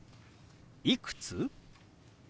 「いくつ？」。